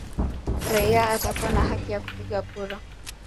Raia atakuwa na haki ya kupiga kura